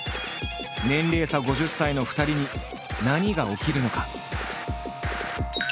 年齢差５０歳の２人に何が起きるのか。